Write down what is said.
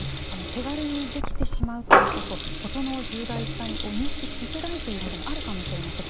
手軽にできてしまうからこそ事の重大さを認識しづらいということもあるかもしれません。